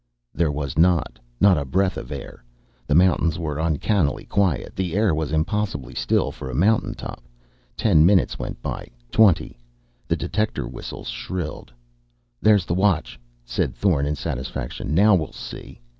There was not. Not a breath of air. The mountains were uncannily quiet. The air was impossibly still, for a mountain top. Ten minutes went by. Twenty. The detector whistles shrilled. "There's the Watch," said Thorn in satisfaction. "Now we'll see!"